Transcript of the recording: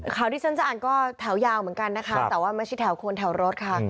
ที่ฉันจะอ่านก็แถวยาวเหมือนกันนะคะแต่ว่าไม่ใช่แถวคนแถวรถค่ะ